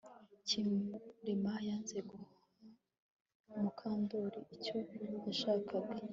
Kirima yanze guha Mukandoli icyo yashakaga